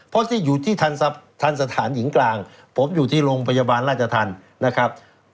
เพราะที่อยู่ที่ทันสถานหญิงกลางผมอยู่ที่โรงพยาบาลราชธรรมนะครับ